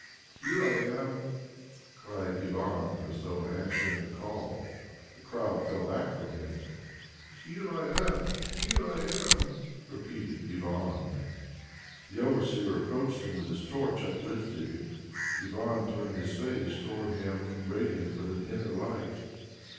"Here I am!" cried Ivan, as though answering a call. The crowd fell back from him. "Here I am! Here I am!" repeated Ivan. The overseer approached him with his torch uplifted. Ivan turned his face toward him radiant with an inner light.